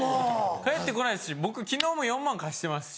返って来ないですし僕昨日も４万貸してますし。